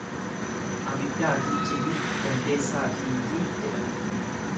Abiddaafi cidii jaldeessaafi mixii jedhan.